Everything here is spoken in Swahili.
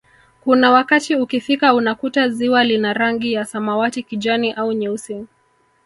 Kuna wakati ukifika unakuta ziwa lina rangi ya samawati kijani au nyeusi